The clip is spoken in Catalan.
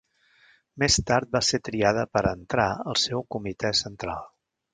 Més tard va ser triada per a entrar al seu Comitè Central.